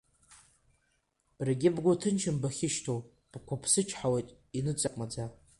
Баргьы бгәы ҭынчым бахьышьҭоу, Бқәыԥсычҳауеит иныҵак маӡа.